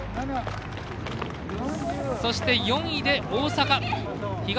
そして４位で大阪。